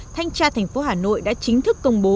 thanh tra thành phố hà nội đã chính thức công bố